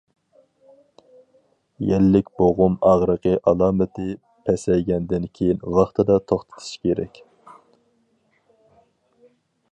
يەللىك بوغۇم ئاغرىقى ئالامىتى پەسەيگەندىن كېيىن ۋاقتىدا توختىتىش كېرەك.